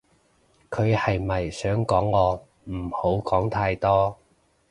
佢係咪想講我唔好講太多